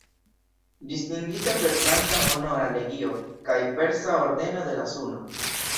Distingita per franca Honora Legio kaj persa Ordeno de la Suno.